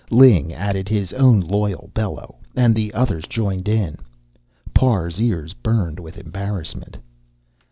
Ling added his own loyal bellow, and the others joined in. Parr's ears burned with embarrassment.